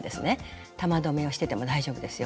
玉留めをしてても大丈夫ですよ。